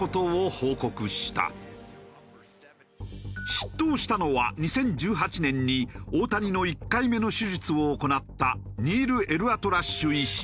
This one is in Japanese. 執刀したのは２０１８年に大谷の１回目の手術を行ったニール・エルアトラッシュ医師。